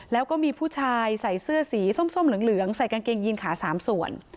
แล้วก็มีผู้ชายใส่เสื้อสีส้มเหลืองใส่กางเกงยีนขา๓ส่วน